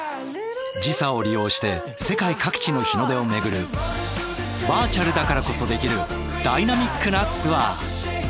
時差を利用して世界各地の日の出を巡るバーチャルだからこそできるダイナミックなツアー。